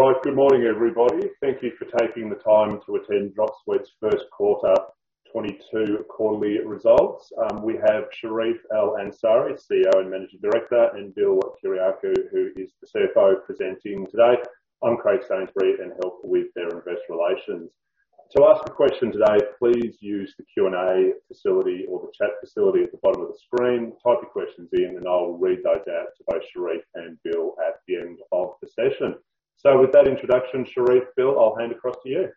Right. Good morning, everybody. Thank you for taking the time to attend Dropsuite's First Quarter 2022 Quarterly Results. We have Charif El-Ansari, CEO and Managing Director, and Bill Kyriacou, who is the CFO, presenting today. I'm Craig Sainsbury, and I help with their investor relations. To ask a question today, please use the Q&A facility or the chat facility at the bottom of the screen. Type your questions in, and I'll read those out to both Charif and Bill at the end of the session. With that introduction, Charif, Bill, I'll hand across to you.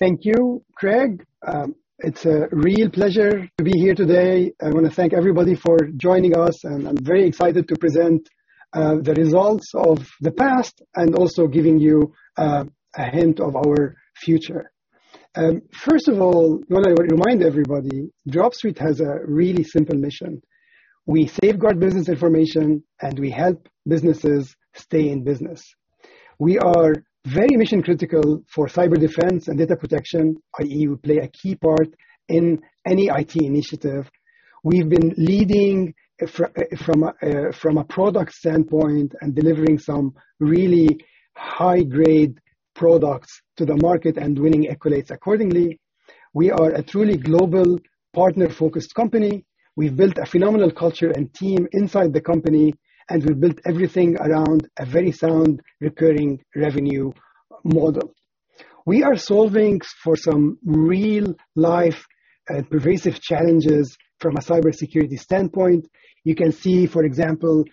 Thank you, Craig. It's a real pleasure to be here today. I wanna thank everybody for joining us, and I'm very excited to present the results of the past and also giving you a hint of our future. First of all, wanna remind everybody, Dropsuite has a really simple mission. We safeguard business information, and we help businesses stay in business. We are very mission-critical for cyber defense and data protection, i.e., we play a key part in any IT initiative. We've been leading from a product standpoint and delivering some really high-grade products to the market and winning accolades accordingly. We are a truly global partner-focused company. We've built a phenomenal culture and team inside the company, and we built everything around a very sound recurring revenue model. We are solving for some real-life pervasive challenges from a cybersecurity standpoint. You can see, for example,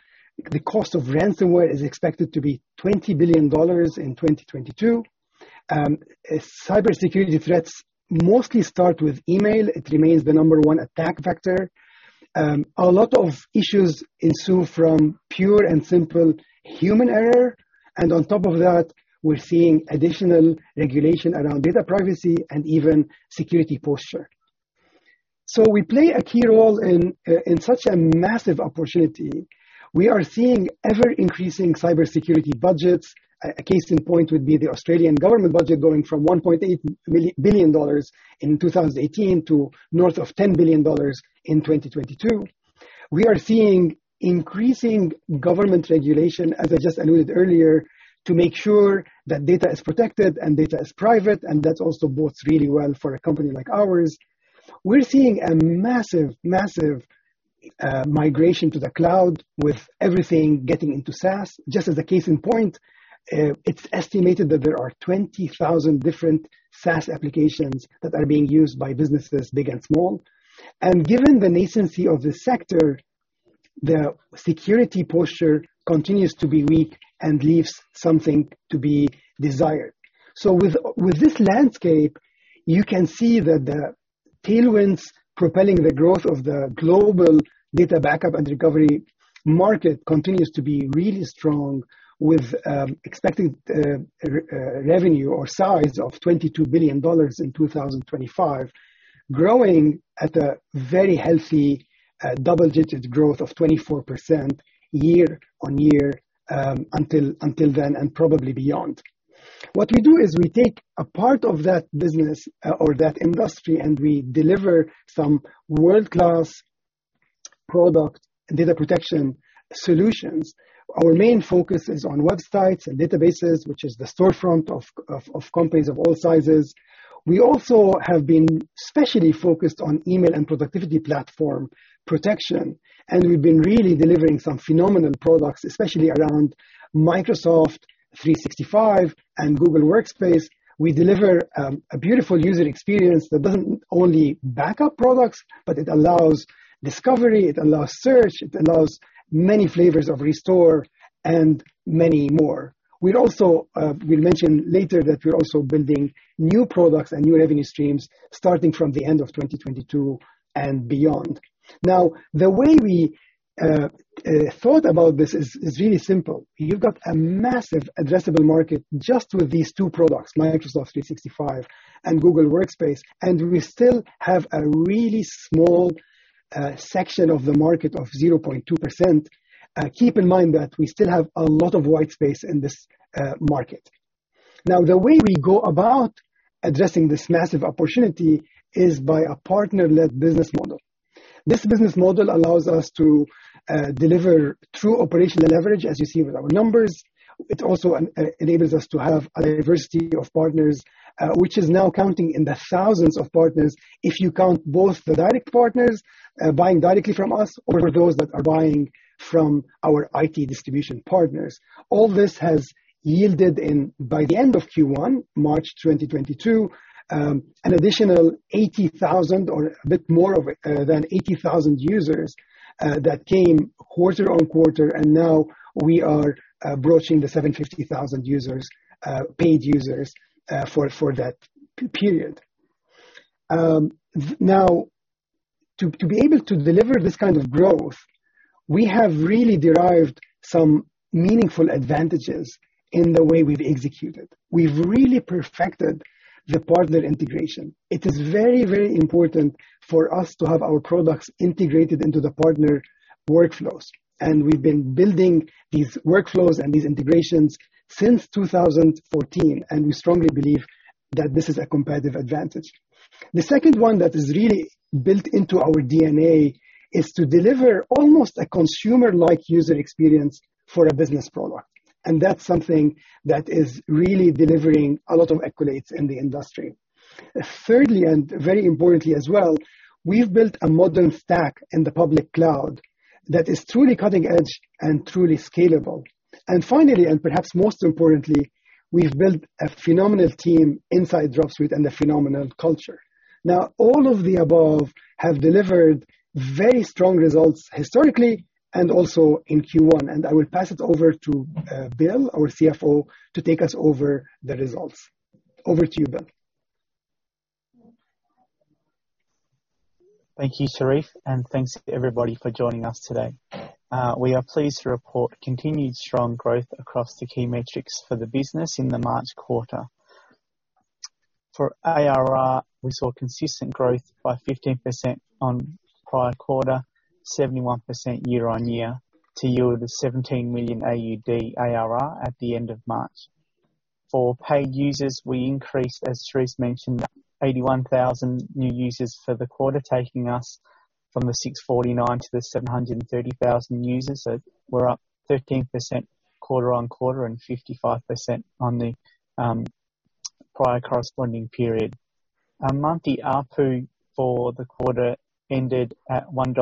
the cost of ransomware is expected to be 20 billion dollars in 2022. Cybersecurity threats mostly start with email. It remains the number one attack vector. A lot of issues ensue from pure and simple human error, and on top of that, we're seeing additional regulation around data privacy and even security posture. We play a key role in such a massive opportunity. We are seeing ever-increasing cybersecurity budgets. A case in point would be the Australian government budget going from 1.8 billion dollars in 2018 to north of 10 billion dollars in 2022. We are seeing increasing government regulation, as I just alluded earlier, to make sure that data is protected and data is private, and that also bodes really well for a company like ours. We're seeing a massive migration to the cloud with everything getting into SaaS. Just as a case in point, it's estimated that there are 20,000 different SaaS applications that are being used by businesses big and small. Given the nascency of this sector, the security posture continues to be weak and leaves something to be desired. With this landscape, you can see that the tailwinds propelling the growth of the global data backup and recovery market continues to be really strong with revenue or size of $22 billion in 2025, growing at a very healthy double-digit growth of 24% year-over-year until then and probably beyond. What we do is we take a part of that business or that industry, and we deliver some world-class product data protection solutions. Our main focus is on websites and databases, which is the storefront of companies of all sizes. We also have been specifically focused on email and productivity platform protection, and we've been really delivering some phenomenal products, especially around Microsoft 365 and Google Workspace. We deliver a beautiful user experience that doesn't only back up products, but it allows discovery, it allows search, it allows many flavors of restore and many more. We'd also, we'll mention later that we're also building new products and new revenue streams starting from the end of 2022 and beyond. Now, the way we thought about this is really simple. You've got a massive addressable market just with these two products, Microsoft 365 and Google Workspace, and we still have a really small section of the market of 0.2%. Keep in mind that we still have a lot of white space in this market. Now, the way we go about addressing this massive opportunity is by a partner-led business model. This business model allows us to deliver true operational leverage, as you see with our numbers. It also enables us to have a diversity of partners, which is now counting in the thousands of partners if you count both the direct partners buying directly from us or those that are buying from our IT distribution partners. All this has yielded, by the end of Q1, March 2022, an additional 80,000 or a bit more than 80,000 users that came quarter-on-quarter, and now we are broaching the 750,000 users, paid users, for that period. To be able to deliver this kind of growth, we have really derived some meaningful advantages in the way we've executed. We've really perfected the partner integration. It is very, very important for us to have our products integrated into the partner workflows, and we've been building these workflows and these integrations since 2014, and we strongly believe that this is a competitive advantage. The second one that is really built into our DNA is to deliver almost a consumer-like user experience for a business product. That's something that is really delivering a lot of accolades in the industry. Thirdly, and very importantly as well, we've built a modern stack in the public cloud that is truly cutting edge and truly scalable. Finally, and perhaps most importantly, we've built a phenomenal team inside Dropsuite and a phenomenal culture. Now, all of the above have delivered very strong results historically and also in Q1. I will pass it over to Bill, our CFO, to take us over the results. Over to you, Bill. Thank you, Charif, and thanks to everybody for joining us today. We are pleased to report continued strong growth across the key metrics for the business in the March quarter. For ARR, we saw consistent growth by 15% on prior quarter, 71% year-on-year to yield AUD 17 million ARR at the end of March. For paid users, we increased, as Charif mentioned, 81,000 new users for the quarter, taking us from the 649,000 to the 730,000 users. We're up 13% quarter-on-quarter and 55% on the prior corresponding period. Our monthly ARPU for the quarter ended at 1.95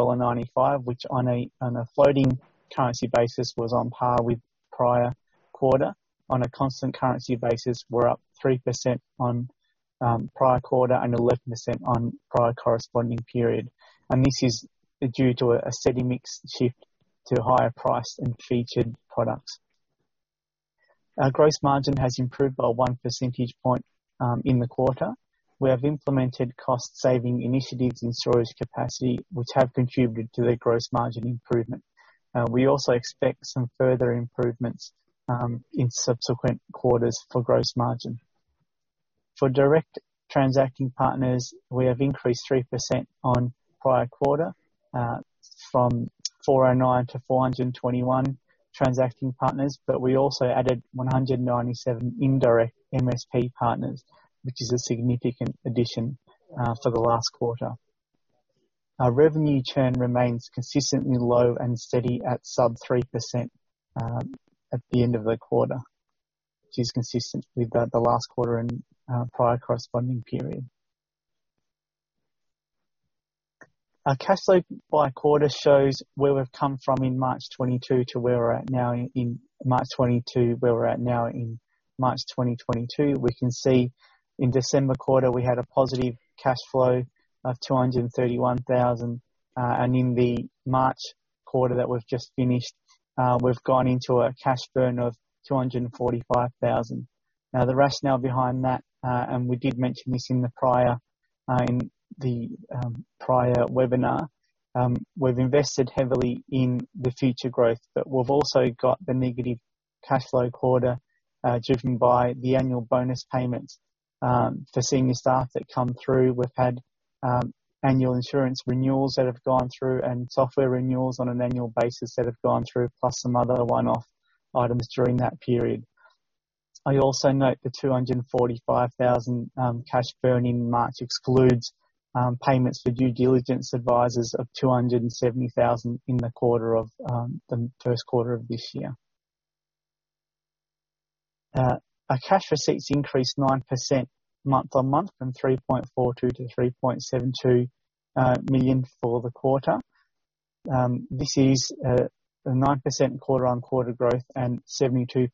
dollar, which on a floating currency basis was on par with prior quarter. On a constant currency basis, we're up 3% on prior quarter and 11% on prior corresponding period. This is due to a steady mix shift to higher price and featured products. Our gross margin has improved by one percentage point in the quarter. We have implemented cost saving initiatives in storage capacity, which have contributed to the gross margin improvement. We also expect some further improvements in subsequent quarters for gross margin. For direct transacting partners, we have increased 3% on prior quarter from 409-421 transacting partners, but we also added 197 indirect MSP partners, which is a significant addition for the last quarter. Our revenue churn remains consistently low and steady at sub 3% at the end of the quarter, which is consistent with the last quarter and prior corresponding period. Our cash flow by quarter shows where we've come from in March 2022 to where we're at now in March 2022. We can see in December quarter, we had a positive cash flow of 231 thousand. In the March quarter that we've just finished, we've gone into a cash burn of 245 thousand. Now, the rationale behind that, we did mention this in the prior webinar, we've invested heavily in the future growth, but we've also got the negative cash flow quarter driven by the annual bonus payments for senior staff that come through. We've had annual insurance renewals that have gone through and software renewals on an annual basis that have gone through, plus some other one-off items during that period. I also note the 245 thousand cash burn in March excludes payments for due diligence advisors of 270 thousand in the quarter of the first quarter of this year. Our cash receipts increased 9% month-on-month from 3.42 million-3.72 million for the quarter. This is a 9% quarter-on-quarter growth and 72%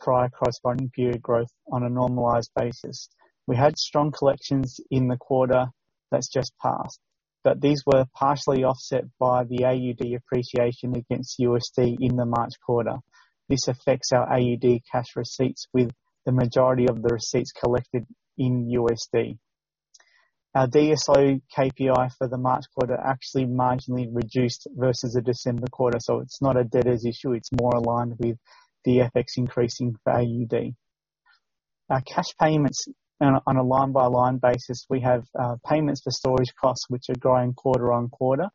prior corresponding period growth on a normalized basis. We had strong collections in the quarter that's just passed, but these were partially offset by the AUD appreciation against USD in the March quarter. This affects our AUD cash receipts with the majority of the receipts collected in USD. Our DSO KPI for the March quarter actually marginally reduced versus the December quarter. It's not a debtors issue. It's more aligned with the FX increasing for AUD. Our cash payments on a line-by-line basis, we have payments for storage costs, which are growing quarter-on-quarter,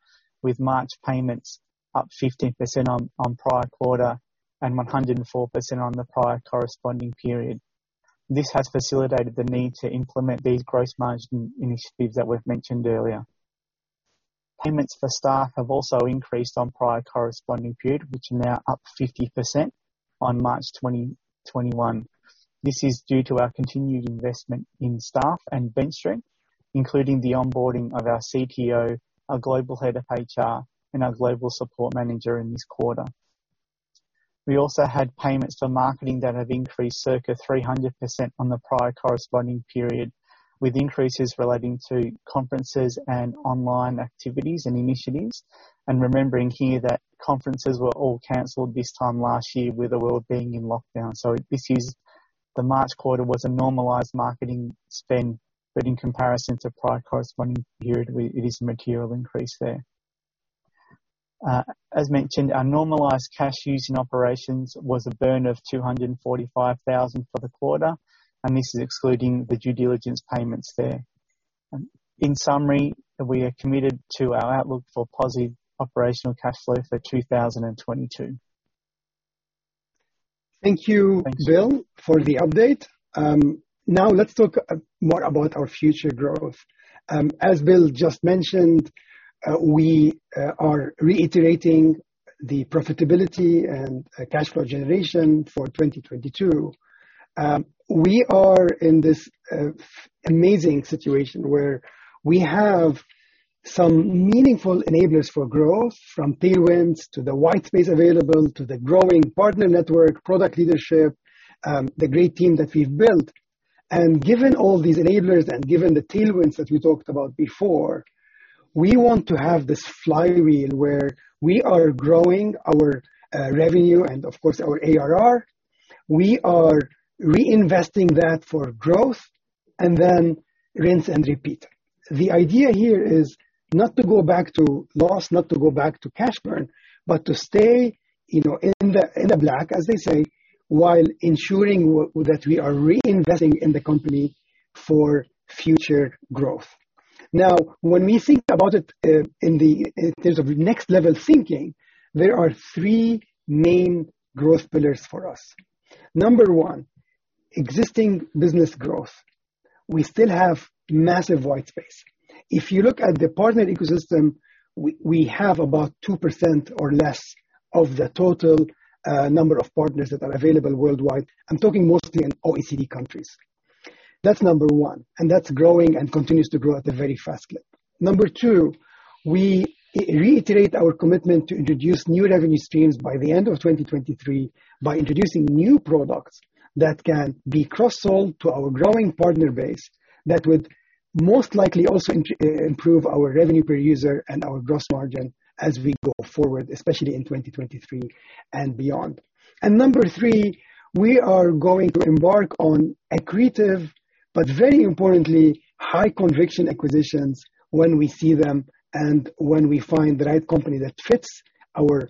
with March payments up 15% on prior quarter and 104% on the prior corresponding period. This has facilitated the need to implement these gross margin initiatives that we've mentioned earlier. Payments for staff have also increased on prior corresponding period, which are now up 50% on March 2021. This is due to our continued investment in staff and bench strength, including the onboarding of our CTO, our global head of HR, and our global support manager in this quarter. We also had payments for marketing that have increased circa 300% on the prior corresponding period, with increases relating to conferences and online activities and initiatives. Remembering here that conferences were all canceled this time last year with the world being in lockdown. The March quarter was a normalized marketing spend, but in comparison to prior corresponding period, we, it is a material increase there. As mentioned, our normalized cash used in operations was a burn of 245,000 for the quarter, and this is excluding the due diligence payments there. In summary, we are committed to our outlook for positive operational cash flow for 2022. Thank you, Bill, for the update. Now let's talk more about our future growth. As Bill just mentioned, we are reiterating the profitability and cash flow generation for 2022. We are in this amazing situation where we have some meaningful enablers for growth from tailwinds to the white space available, to the growing partner network, product leadership, the great team that we've built. Given all these enablers and given the tailwinds that we talked about before, we want to have this flywheel where we are growing our revenue and of course our ARR. We are reinvesting that for growth and then rinse and repeat. The idea here is not to go back to loss, not to go back to cash burn, but to stay, you know, in the black, as they say, while ensuring that we are reinvesting in the company for future growth. Now, when we think about it, in terms of next level thinking, there are three main growth pillars for us. Number one, existing business growth. We still have massive white space. If you look at the partner ecosystem, we have about 2% or less of the total number of partners that are available worldwide. I'm talking mostly in OECD countries. That's number one, and that's growing and continues to grow at a very fast clip. Number two, we reiterate our commitment to introduce new revenue streams by the end of 2023 by introducing new products that can be cross-sold to our growing partner base that would most likely also improve our revenue per user and our gross margin as we go forward, especially in 2023 and beyond. Number three, we are going to embark on accretive, but very importantly, high conviction acquisitions when we see them and when we find the right company that fits our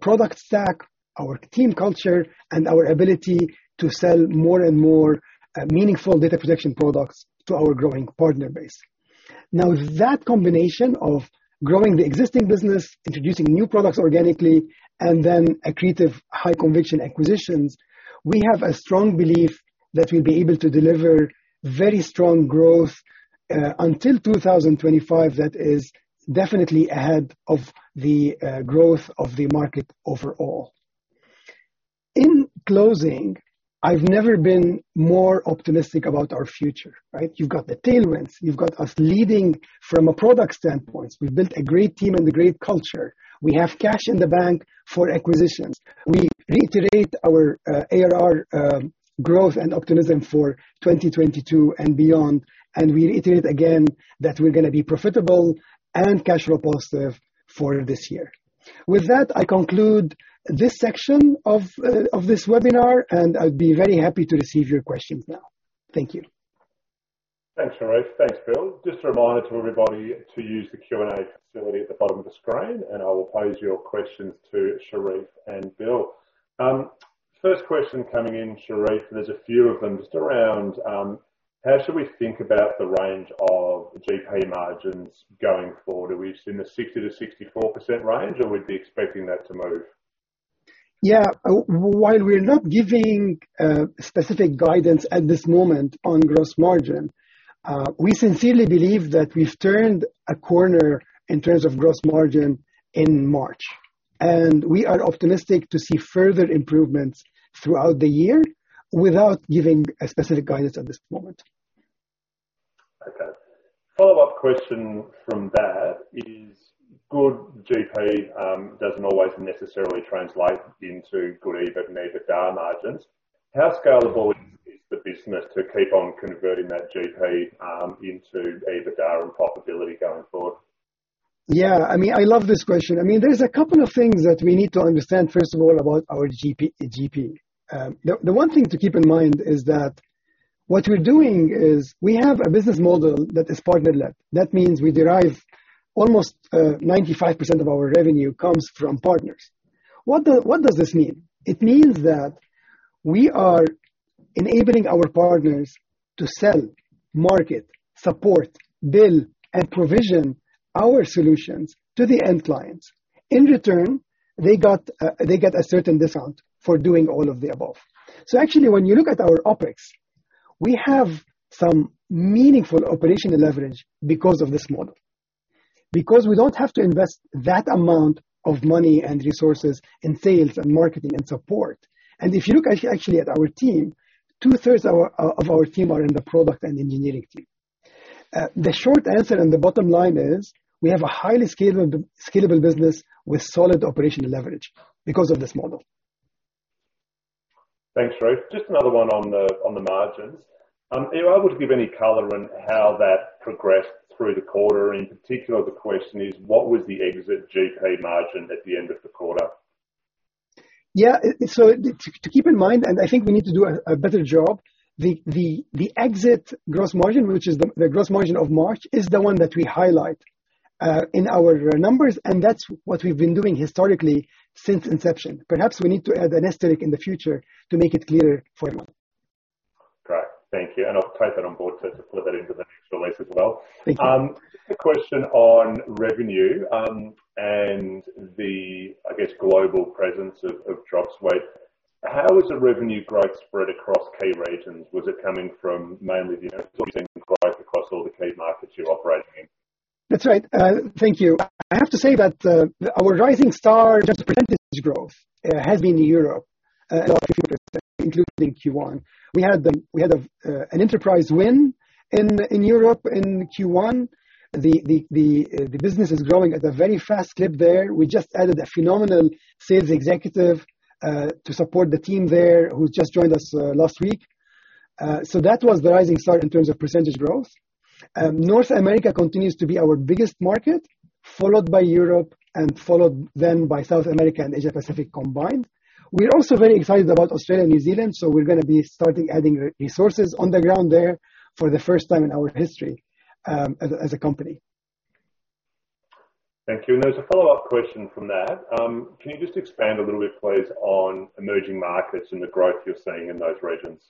product stack, our team culture, and our ability to sell more and more meaningful data protection products to our growing partner base. Now, that combination of growing the existing business, introducing new products organically, and then accretive high conviction acquisitions, we have a strong belief that we'll be able to deliver very strong growth until 2025 that is definitely ahead of the growth of the market overall. In closing, I've never been more optimistic about our future, right? You've got the tailwinds, you've got us leading from a product standpoint. We've built a great team and a great culture. We have cash in the bank for acquisitions. We reiterate our ARR growth and optimism for 2022 and beyond. We reiterate again that we're gonna be profitable and cash flow positive for this year. With that, I conclude this section of this webinar, and I'll be very happy to receive your questions now. Thank you. Thanks, Charif. Thanks, Bill. Just a reminder to everybody to use the Q&A facility at the bottom of the screen, and I will pose your questions to Charif and Bill. First question coming in, Charif, there's a few of them, just around, how should we think about the range of GP margins going forward? Are we in the 60%-64% range or we'd be expecting that to move? While we're not giving specific guidance at this moment on gross margin, we sincerely believe that we've turned a corner in terms of gross margin in March, and we are optimistic to see further improvements throughout the year without giving specific guidance at this moment. Okay. Follow-up question from that is good GP doesn't always necessarily translate into good EBIT and EBITDA margins. How scalable is the business to keep on converting that GP into EBITDA and profitability going forward? Yeah. I mean, I love this question. I mean, there's a couple of things that we need to understand, first of all, about our GP. The one thing to keep in mind is that what we're doing is we have a business model that is partner-led. That means we derive almost 95% of our revenue comes from partners. What does this mean? It means that we are enabling our partners to sell, market, support, bill, and provision our solutions to the end clients. In return, they get a certain discount for doing all of the above. Actually, when you look at our OpEx, we have some meaningful operational leverage because of this model, because we don't have to invest that amount of money and resources in sales and marketing and support. If you look actually at our team, two-thirds of our team are in the product and engineering team. The short answer and the bottom line is we have a highly scalable business with solid operational leverage because of this model. Thanks, Charif. Just another one on the margins. Are you able to give any color on how that progressed through the quarter? In particular, the question is what was the exit GP margin at the end of the quarter? Yeah. To keep in mind, and I think we need to do a better job. The exit gross margin, which is the gross margin of March, is the one that we highlight in our numbers, and that's what we've been doing historically since inception. Perhaps we need to add an asterisk in the future to make it clearer for you. Thank you. I'll take that on board to put that into the next release as well. Thank you. Just a question on revenue, and the, I guess, global presence of Dropsuite. How is the revenue growth spread across key regions? Was it coming from mainly the United States and growth across all the key markets you're operating in? That's right. Thank you. I have to say that our rising star just percentage growth has been Europe, including Q1. We had an enterprise win in Europe in Q1. The business is growing at a very fast clip there. We just added a phenomenal sales executive to support the team there who just joined us last week. So that was the rising star in terms of percentage growth. North America continues to be our biggest market, followed by Europe and followed then by South America and Asia-Pacific combined. We're also very excited about Australia and New Zealand, so we're gonna be starting adding resources on the ground there for the first time in our history as a company. Thank you. There's a follow-up question from that. Can you just expand a little bit, please, on emerging markets and the growth you're seeing in those regions?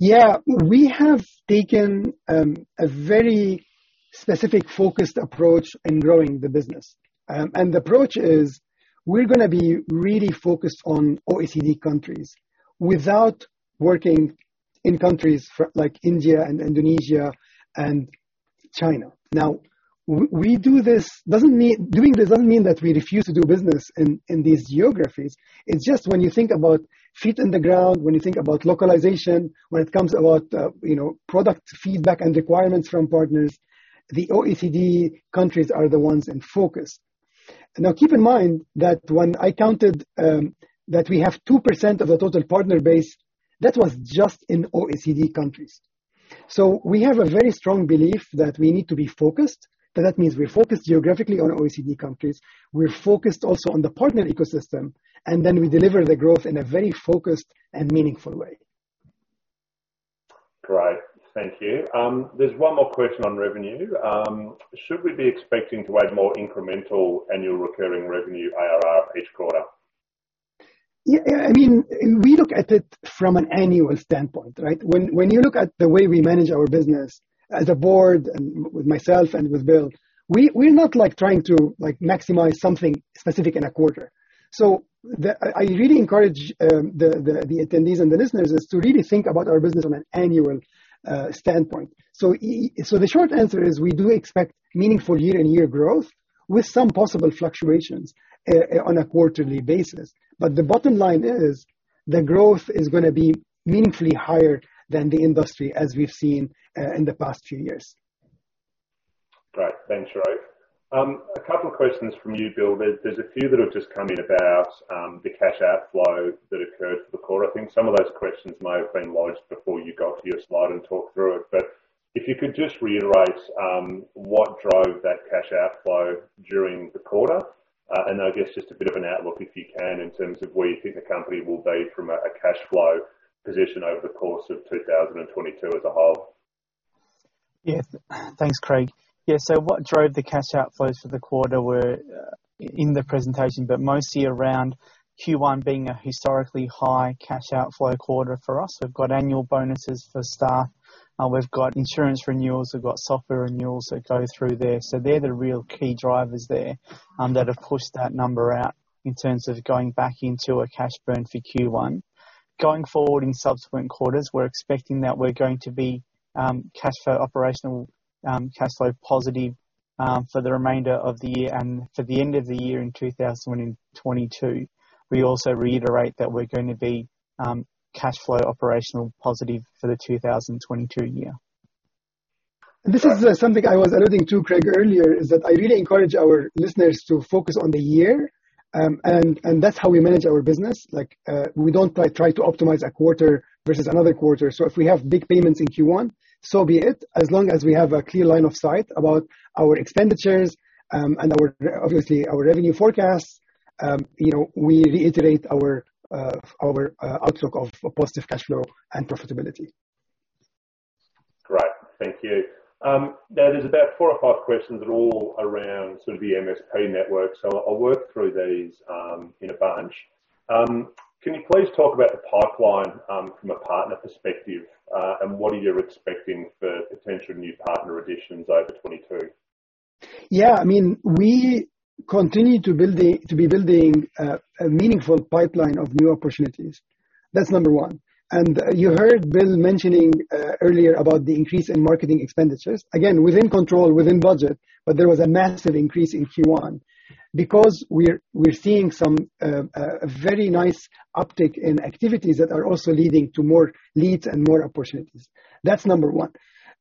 Yeah. We have taken a very specific focused approach in growing the business. The approach is we're gonna be really focused on OECD countries without working in countries like India and Indonesia and China. Now, doing this doesn't mean that we refuse to do business in these geographies. It's just when you think about feet on the ground, when you think about localization, when it comes to, you know, product feedback and requirements from partners, the OECD countries are the ones in focus. Now, keep in mind that when I counted that we have 2% of the total partner base, that was just in OECD countries. We have a very strong belief that we need to be focused, so that means we're focused geographically on OECD countries. We're focused also on the partner ecosystem, and then we deliver the growth in a very focused and meaningful way. Great. Thank you. There's one more question on revenue. Should we be expecting to have more incremental annual recurring revenue, ARR, each quarter? Yeah. I mean, we look at it from an annual standpoint, right? When you look at the way we manage our business as a board and with myself and with Bill, we're not, like, trying to, like, maximize something specific in a quarter. I really encourage the attendees and the listeners is to really think about our business on an annual standpoint. The short answer is we do expect meaningful year-over-year growth with some possible fluctuations on a quarterly basis. The bottom line is, the growth is gonna be meaningfully higher than the industry as we've seen in the past few years. Great. Thanks, Charif. A couple of questions from you, Bill. There's a few that have just come in about the cash outflow that occurred for the quarter. I think some of those questions may have been lodged before you got to your slide and talked through it. If you could just reiterate what drove that cash outflow during the quarter, and I guess just a bit of an outlook, if you can, in terms of where you think the company will be from a cash flow position over the course of 2022 as a whole. Yes. Thanks, Craig. Yeah. What drove the cash outflows for the quarter were in the presentation, but mostly around Q1 being a historically high cash outflow quarter for us. We've got annual bonuses for staff. We've got insurance renewals, we've got software renewals that go through there. They're the real key drivers there that have pushed that number out in terms of going back into a cash burn for Q1. Going forward in subsequent quarters, we're expecting that we're going to be cash flow operational cash flow positive for the remainder of the year and for the end of the year in 2022. We also reiterate that we're going to be cash flow operational positive for the 2022 year. This is something I was alluding to Craig earlier, is that I really encourage our listeners to focus on the year, and that's how we manage our business. Like, we don't try to optimize a quarter versus another quarter. If we have big payments in Q1, so be it, as long as we have a clear line of sight about our expenditures, and, obviously, our revenue forecasts, you know, we reiterate our outlook of positive cash flow and profitability. Great. Thank you. Now there's about four or five questions that are all around sort of the MSP network. I'll work through these in a bunch. Can you please talk about the pipeline from a partner perspective, and what are you expecting for potential new partner additions over 2022? Yeah. I mean, we continue to build a meaningful pipeline of new opportunities. That's number one. You heard Bill mentioning earlier about the increase in marketing expenditures. Again, within control, within budget, but there was a massive increase in Q1. Because we're seeing some very nice uptick in activities that are also leading to more leads and more opportunities. That's number one.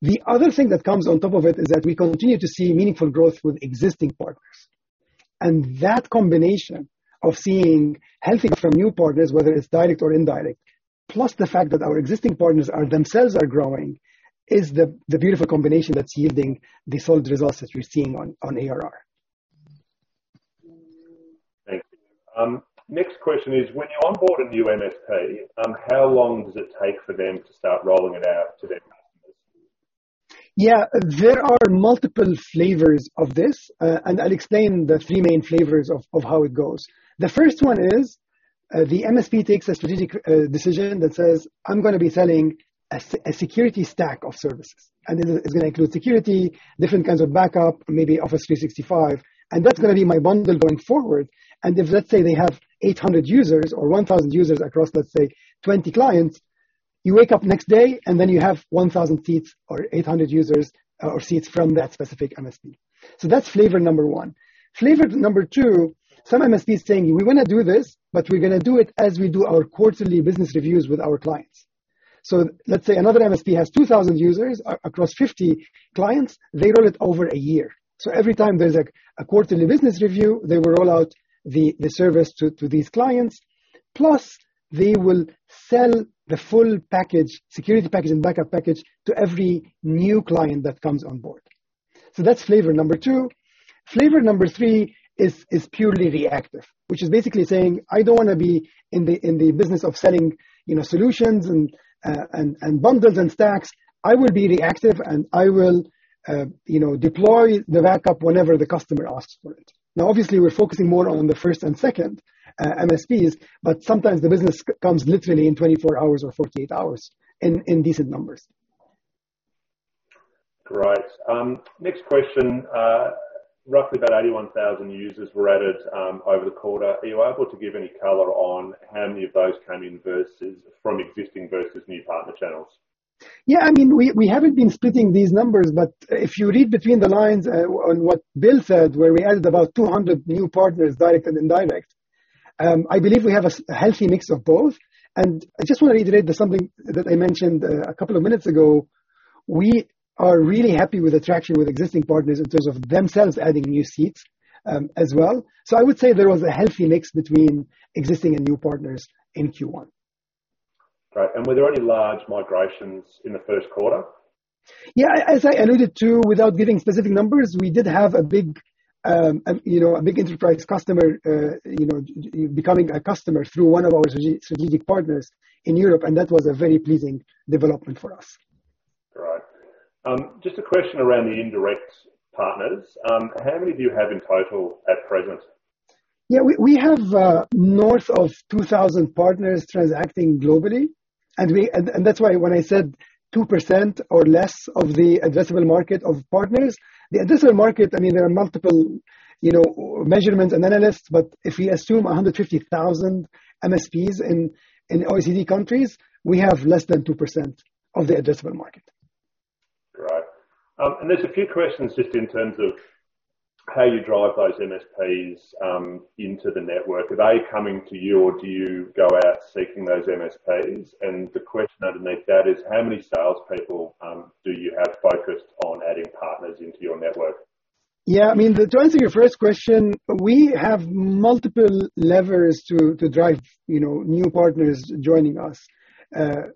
The other thing that comes on top of it is that we continue to see meaningful growth with existing partners. That combination of seeing healthy growth from new partners, whether it's direct or indirect, plus the fact that our existing partners are themselves growing, is the beautiful combination that's yielding the solid results that we're seeing on ARR. Thank you. Next question is, when you onboard a new MSP, how long does it take for them to start rolling it out to their partners? Yeah. There are multiple flavors of this, and I'll explain the three main flavors of how it goes. The first one is, the MSP takes a strategic decision that says, "I'm gonna be selling a security stack of services, and it's gonna include security, different kinds of backup, maybe Office 365, and that's gonna be my bundle going forward." If let's say they have 800 users or 1,000 users across, let's say 20 clients, you wake up next day, and then you have 1,000 seats or 800 users or seats from that specific MSP. That's flavor number one. Flavor number two, some MSP is saying, "We wanna do this, but we're gonna do it as we do our quarterly business reviews with our clients." Let's say another MSP has 2,000 users across 50 clients, they roll it over a year. Every time there's a quarterly business review, they will roll out the service to these clients. Plus, they will sell the full package, security package and backup package to every new client that comes on board. That's flavor number two. Flavor number three is purely reactive, which is basically saying, "I don't wanna be in the business of selling, you know, solutions and bundles and stacks. I will be reactive, and I will, you know, deploy the backup whenever the customer asks for it." Now, obviously, we're focusing more on the first and second MSPs, but sometimes the business comes literally in 24 hours or 48 hours in decent numbers. Great. Next question. Roughly about 81,000 users were added over the quarter. Are you able to give any color on how many of those came in versus from existing versus new partner channels? Yeah. I mean, we haven't been splitting these numbers, but if you read between the lines on what Bill said, where we added about 200 new partners, direct and indirect, I believe we have a healthy mix of both. I just wanna reiterate something that I mentioned a couple of minutes ago. We are really happy with the traction with existing partners in terms of themselves adding new seats, as well. I would say there was a healthy mix between existing and new partners in Q1. Right. Were there any large migrations in the first quarter? Yeah. As I alluded to, without giving specific numbers, we did have a big, you know, enterprise customer, you know, becoming a customer through one of our strategic partners in Europe, and that was a very pleasing development for us. Right. Just a question around the indirect partners. How many do you have in total at present? Yeah. We have north of 2,000 partners transacting globally, and that's why when I said 2% or less of the addressable market of partners, the addressable market, I mean, there are multiple, you know, measurements and analysts, but if we assume 150,000 MSPs in OECD countries, we have less than 2% of the addressable market. Right. There's a few questions just in terms of how you drive those MSPs into the network. Are they coming to you, or do you go out seeking those MSPs? The question underneath that is how many salespeople do you have focused on adding partners into your network? Yeah. I mean, to answer your first question, we have multiple levers to drive, you know, new partners joining us.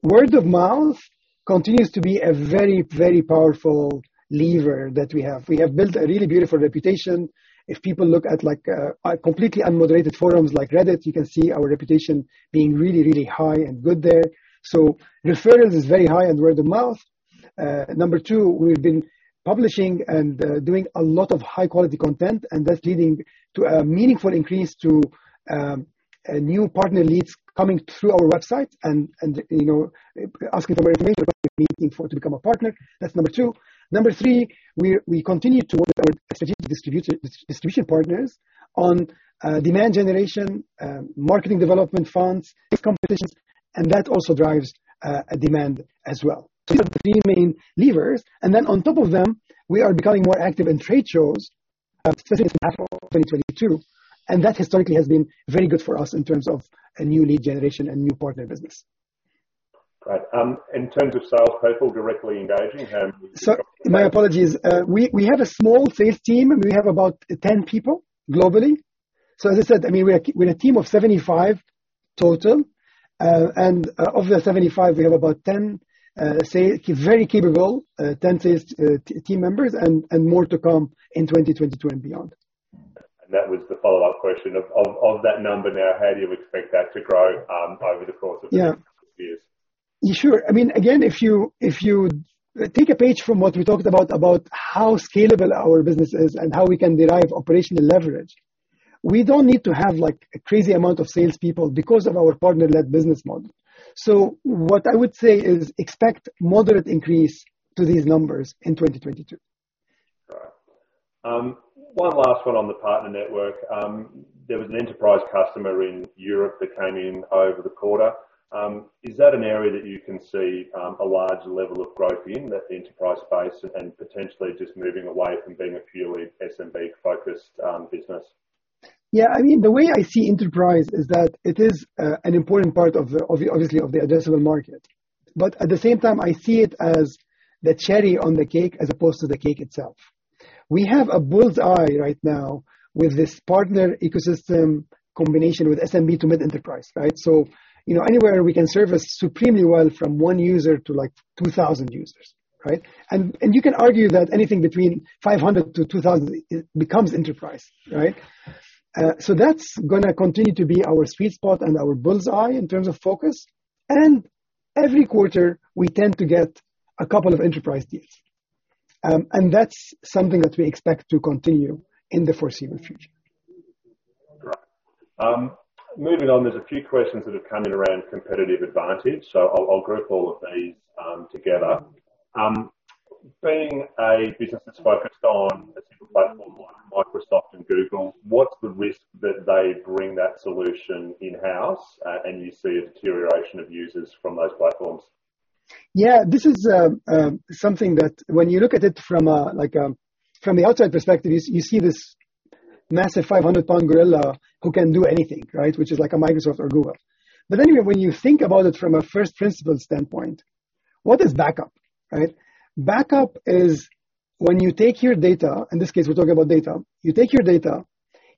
Word of mouth continues to be a very powerful lever that we have. We have built a really beautiful reputation. If people look at like, completely unmoderated forums like Reddit, you can see our reputation being really high and good there. Referrals is very high and word of mouth. Number two, we've been publishing and doing a lot of high-quality content, and that's leading to a meaningful increase to new partner leads coming through our website and, you know, asking for a major meeting to become a partner. That's number two. Number three, we continue to work with our strategic distribution partners on demand generation, marketing development funds, big competitions, and that also drives a demand as well. These are the three main levers. On top of them, we are becoming more active in trade shows, especially in April 2022, and that historically has been very good for us in terms of new lead generation and new partner business. Right. In terms of sales people directly engaging, how many do you have My apologies. We have a small sales team. We have about 10 people globally. As I said, I mean, we're a team of 75 total. And of the 75, we have about 10 very capable sales team members and more to come in 2022 and beyond. That was the follow-up question. Of that number now, how do you expect that to grow, over the course of Yeah. The next few years? Sure. I mean, again, if you take a page from what we talked about how scalable our business is and how we can derive operational leverage, we don't need to have, like, a crazy amount of salespeople because of our partner-led business model. What I would say is expect moderate increase to these numbers in 2022. Right. One last one on the partner network. There was an enterprise customer in Europe that came in over the quarter. Is that an area that you can see a large level of growth in, that enterprise space and potentially just moving away from being a purely SMB-focused business? Yeah. I mean, the way I see enterprise is that it is an important part of the addressable market. At the same time, I see it as the cherry on the cake as opposed to the cake itself. We have a bull's-eye right now with this partner ecosystem combination with SMB to mid-enterprise, right? You know, anywhere we can service supremely well from one user to, like, 2,000 users, right? You can argue that anything between 500-2,000 becomes enterprise, right? That's gonna continue to be our sweet spot and our bull's-eye in terms of focus. Every quarter, we tend to get a couple of enterprise deals. That's something that we expect to continue in the foreseeable future. Great. Moving on, there's a few questions that have come in around competitive advantage, so I'll group all of these together. Being a business that's focused on a single platform like Microsoft and Google, what's the risk that they bring that solution in-house, and you see a deterioration of users from those platforms? Yeah. This is something that when you look at it from a, like, from the outside perspective, you see this massive 500-pound gorilla who can do anything, right? Which is like a Microsoft or Google. Anyway, when you think about it from a first principle standpoint, what is backup, right? Backup is when you take your data, in this case we're talking about data. You take your data,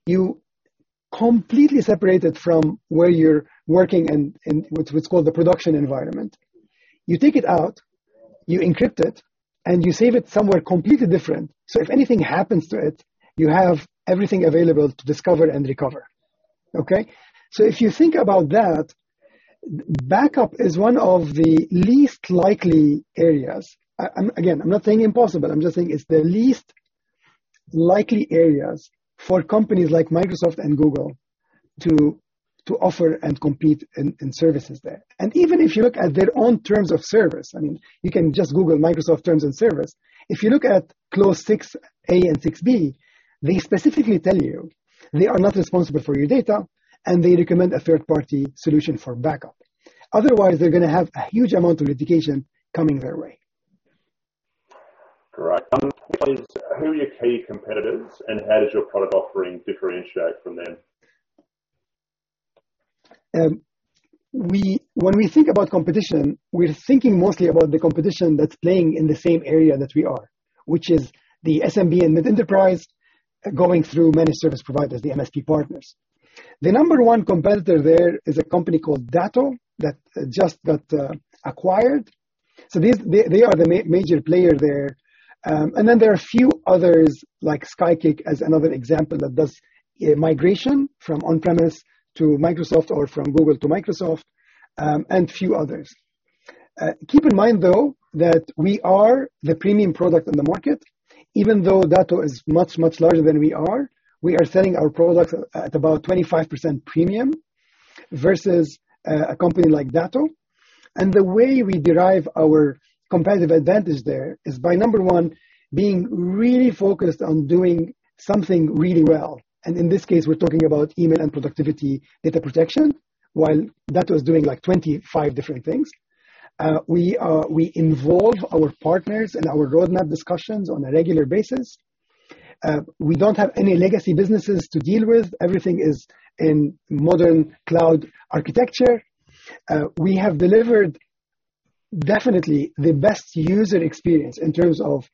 you completely separate it from where you're working and what's called the production environment. You take it out, you encrypt it, and you save it somewhere completely different, so if anything happens to it, you have everything available to discover and recover. Okay? If you think about that, backup is one of the least likely areas. Again, I'm not saying impossible, I'm just saying it's the least likely areas for companies like Microsoft and Google to offer and compete in services there. Even if you look at their own terms of service, I mean, you can just Google Microsoft terms of service. If you look at Clause 6A and 6B, they specifically tell you they are not responsible for your data, and they recommend a third-party solution for backup. Otherwise, they're gonna have a huge amount of litigation coming their way. Great. One is, who are your key competitors, and how does your product offering differentiate from them? When we think about competition, we're thinking mostly about the competition that's playing in the same area that we are, which is the SMB and mid-enterprise going through many service providers, the MSP partners. The number one competitor there is a company called Datto that just got acquired. They are the major player there. There are a few others, like SkyKick as another example that does migration from on-premises to Microsoft or from Google to Microsoft, and few others. Keep in mind though, that we are the premium product in the market, even though Datto is much, much larger than we are. We are selling our product at about 25% premium versus a company like Datto. The way we derive our competitive advantage there is by, number one, being really focused on doing something really well, and in this case, we're talking about email and productivity data protection, while Datto's doing like 25 different things. We involve our partners in our roadmap discussions on a regular basis. We don't have any legacy businesses to deal with. Everything is in modern cloud architecture. We have delivered definitely the best user experience in terms of,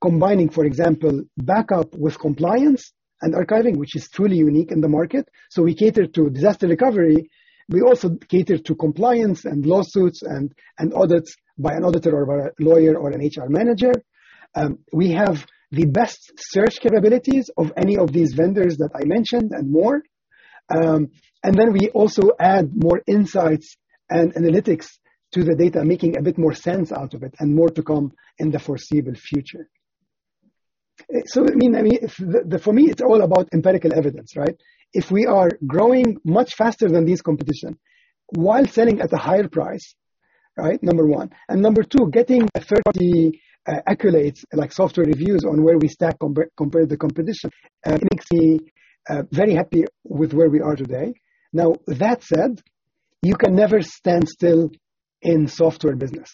combining, for example, backup with compliance and archiving, which is truly unique in the market. We cater to disaster recovery. We also cater to compliance and lawsuits and audits by an auditor or by a lawyer or an HR manager. We have the best search capabilities of any of these vendors that I mentioned and more. We also add more insights and analytics to the data, making a bit more sense out of it, and more to come in the foreseeable future. I mean, for me, it's all about empirical evidence, right? If we are growing much faster than this competition while selling at a higher price, right? Number one. Number two, getting third-party accolades like SoftwareReviews on where we stack compared to competition makes me very happy with where we are today. Now, that said, you can never stand still in software business,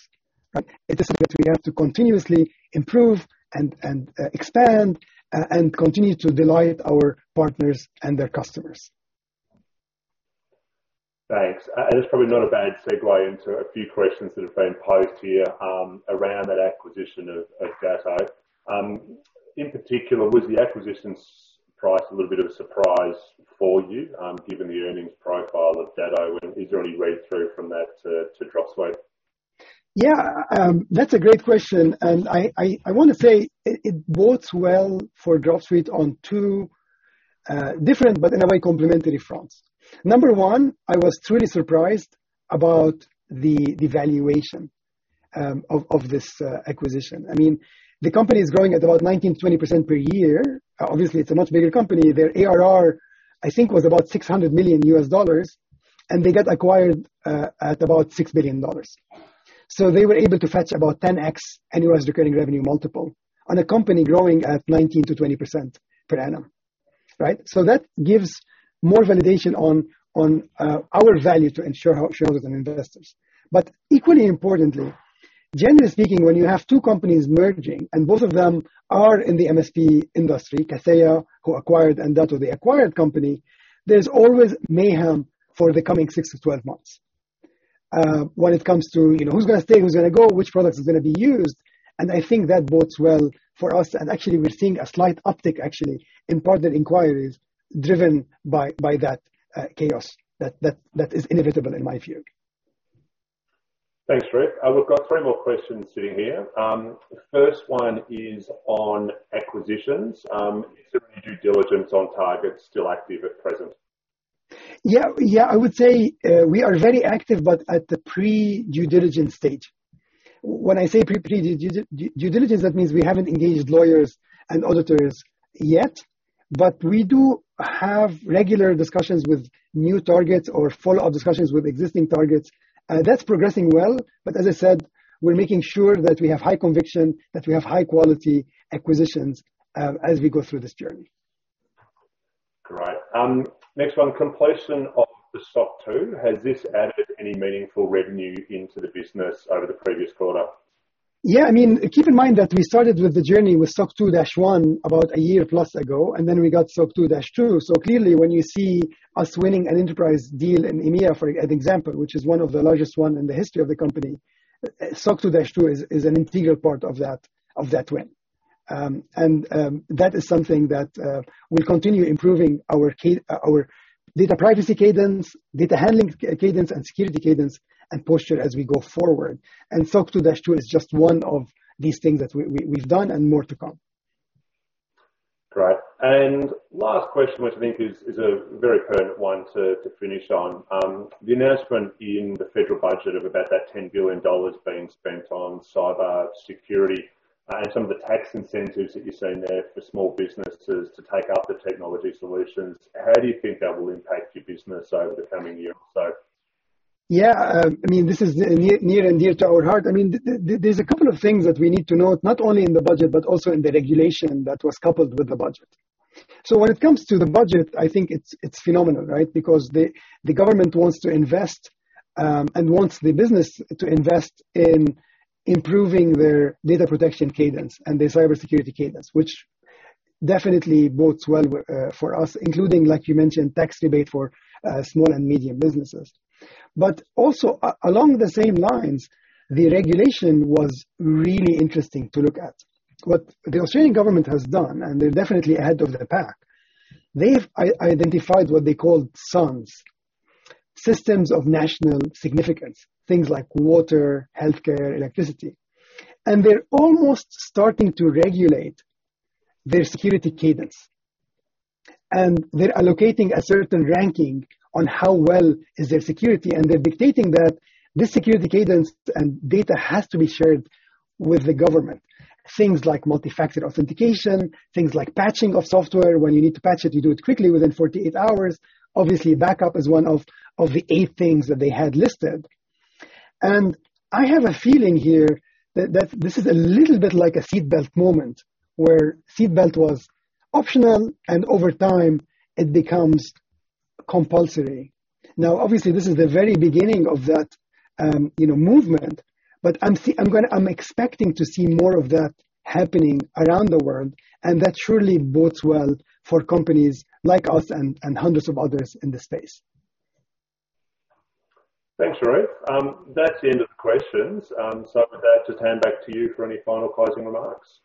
right? It is something we have to continuously improve and expand and continue to delight our partners and their customers. Thanks. It's probably not a bad segue into a few questions that have been posed here, around that acquisition of Datto. In particular, was the acquisition price a little bit of a surprise for you, given the earnings profile of Datto, and is there any read-through from that to Dropsuite? That's a great question, and I wanna say it bodes well for Dropsuite on two different, but in a way complementary fronts. Number one, I was truly surprised about the valuation of this acquisition. I mean, the company is growing at about 19%-20% per year. Obviously, it's a much bigger company. Their ARR, I think, was about $600 million, and they got acquired at about $6 billion. They were able to fetch about 10x annual recurring revenue multiple on a company growing at 19%-20% per annum. Right? That gives more validation on our value to reassure shareholders and investors. Equally importantly, generally speaking, when you have two companies merging, and both of them are in the MSP industry, Kaseya, who acquired, and Datto, the acquired company, there's always mayhem for the coming six-12 months, when it comes to, you know, who's gonna stay, who's gonna go, which product is gonna be used, and I think that bodes well for us. Actually, we're seeing a slight uptick, actually, in partner inquiries driven by that chaos that is inevitable in my view. Thanks, Charif. We've got three more questions sitting here. The first one is on acquisitions. Is there any due diligence on targets still active at present? Yeah. Yeah. I would say we are very active, but at the pre-due diligence stage. When I say pre-due diligence, that means we haven't engaged lawyers and auditors yet, but we do have regular discussions with new targets or follow-up discussions with existing targets. That's progressing well. As I said, we're making sure that we have high conviction, that we have high quality acquisitions, as we go through this journey. Great. Next one. Completion of the SOC 2, has this added any meaningful revenue into the business over the previous quarter? Yeah. I mean, keep in mind that we started with the journey with SOC 2-1 about a year plus ago, and then we got SOC 2-2. Clearly, when you see us winning an enterprise deal in EMEA, for an example, which is one of the largest in the history of the company, SOC 2-2 is an integral part of that win. That is something that we continue improving our data privacy cadence, data handling cadence, and security cadence and posture as we go forward. SOC 2-2 is just one of these things that we've done and more to come. Great. Last question, which I think is a very pertinent one to finish on. The announcement in the federal budget of about 10 billion dollars being spent on cyber security and some of the tax incentives that you're seeing there for small businesses to take up the technology solutions, how do you think that will impact your business over the coming year or so? Yeah. I mean, this is near and dear to our heart. I mean, there's a couple of things that we need to note, not only in the budget but also in the regulation that was coupled with the budget. When it comes to the budget, I think it's phenomenal, right? Because the government wants to invest and wants the business to invest in improving their data protection cadence and their cybersecurity cadence, which definitely bodes well for us, including, like you mentioned, tax rebate for small and medium businesses. Along the same lines, the regulation was really interesting to look at. What the Australian government has done, and they're definitely ahead of the pack, they've identified what they call SoNS, Systems of National Significance, things like water, healthcare, electricity, and they're almost starting to regulate their security cadence. They're allocating a certain ranking on how well is their security, and they're dictating that this security cadence and data has to be shared with the government. Things like multi-factor authentication, things like patching of software. When you need to patch it, you do it quickly within 48 hours. Obviously, backup is one of the eight things that they had listed. I have a feeling here that this is a little bit like a seatbelt moment, where seatbelt was optional and over time it becomes compulsory. Now, obviously, this is the very beginning of that, you know, movement, but I'm expecting to see more of that happening around the world, and that surely bodes well for companies like us and hundreds of others in this space. Thanks, Charif. That's the end of the questions. With that, just hand back to you for any final closing remarks.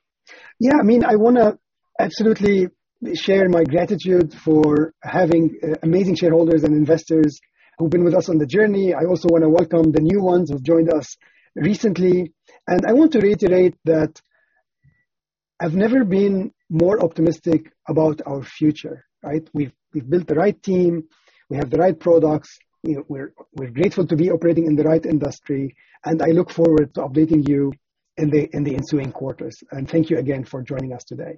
Yeah. I mean, I wanna absolutely share my gratitude for having amazing shareholders and investors who've been with us on the journey. I also wanna welcome the new ones who've joined us recently. I want to reiterate that I've never been more optimistic about our future, right? We've built the right team. We have the right products. You know, we're grateful to be operating in the right industry, and I look forward to updating you in the ensuing quarters. Thank you again for joining us today.